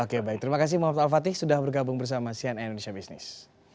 oke baik terima kasih pak alfati sudah bergabung bersama sian indonesia business